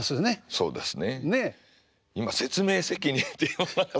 そうですね。